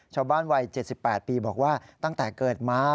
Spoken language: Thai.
ชาวบ้านวาย๗๘ปีบอกว่าตั้งแต่เกิดมา